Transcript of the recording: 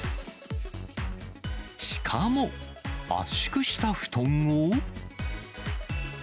しかも、圧縮した布団を。